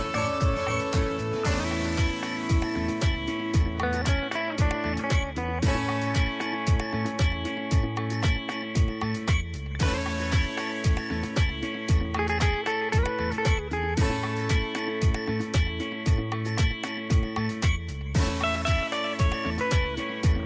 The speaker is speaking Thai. สวัสดีครับสวัสดีครับ